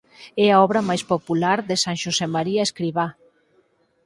É a obra máis popular de San Xosemaría Escrivá.